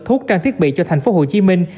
thuốc trang thiết bị cho thành phố hồ chí minh